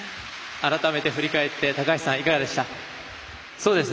改めて振り返って高橋さんいかがでした？